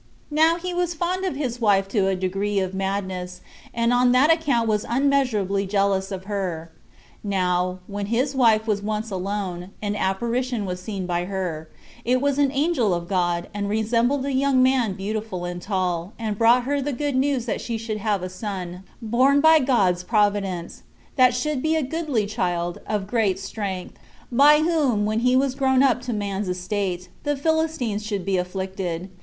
Now he was fond of his wife to a degree of madness, and on that account was unmeasurably jealous of her. Now, when his wife was once alone, an apparition was seen by her: it was an angel of God, and resembled a young man beautiful and tall, and brought her the good news that she should have a son, born by God's providence, that should be a goodly child, of great strength; by whom, when he was grown up to man's estate, the Philistines should be afflicted.